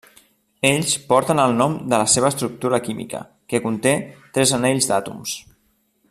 Ells porten el nom de la seva estructura química, que conté tres anells d'àtoms.